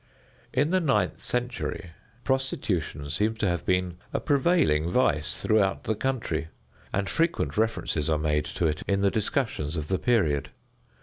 In the ninth century prostitution seems to have been a prevailing vice throughout the country, and frequent references are made to it in the discussions of the period.